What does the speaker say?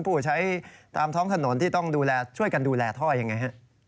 ผู้ใช้ตามท้องถนนที่ต้องดูแลช่วยกันดูแลท่อยังไงฮะ